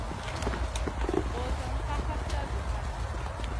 Ɓosionna ka hapta zi hatna.